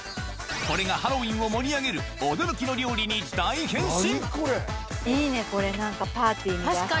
これがハロウィーンを盛り上げる驚きの料理に大変身！